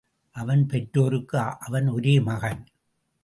அவன் பெற்றோருக்கு அவன் ஒரே மகன்.